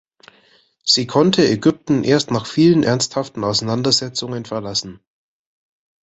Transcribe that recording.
Sie konnte Ägypten erst nach vielen ernsthaften Auseinandersetzungen verlassen.